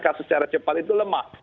kasus secara cepat itu lemah